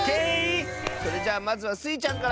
それじゃあまずはスイちゃんから！